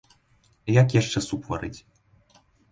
Як яшчэ суп варыць?